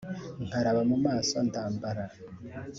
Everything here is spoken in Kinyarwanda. nkaraba mu maso ndambara